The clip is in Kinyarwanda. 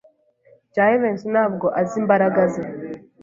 Jivency ntabwo azi imbaraga ze.